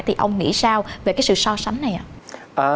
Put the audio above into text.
thì ông nghĩ sao về cái sự so sánh này ạ